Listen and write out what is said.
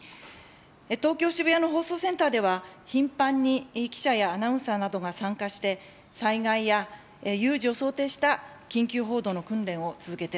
東京・渋谷の放送センターでは、頻繁に記者やアナウンサーなどが参加して、災害や有事を想定した緊急報道の訓練を続けております。